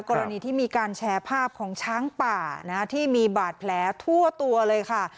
กรณีที่มีการแชร์ภาพของช้างป่าที่มีบาดแผลทั่วตัวเลยค่ะ